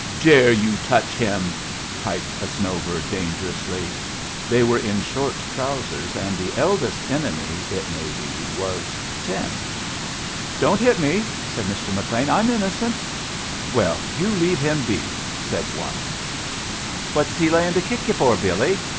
"Dare you to touch him!" piped a snow bird, dangerously. They were in short trousers, and the eldest enemy, it may be, was ten. "Don't hit me," said Mr. McLean "I'm innocent." "Well, you leave him be," said one. "What's he layin' to kick you for, Billy?